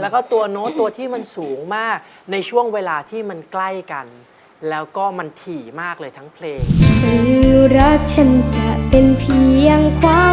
แล้วก็ตัวโน้ตตัวที่มันสูงมากในช่วงเวลาที่มันใกล้กันแล้วก็มันถี่มากเลยทั้งเพลง